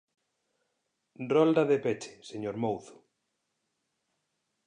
Rolda de peche, señor Mouzo.